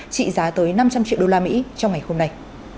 trị giá tới năm trăm linh triệu đô la mỹ trong ngày hôm nay